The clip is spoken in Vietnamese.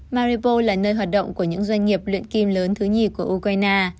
maripos là nơi hoạt động của những doanh nghiệp luyện kim lớn thứ nhì của ukraine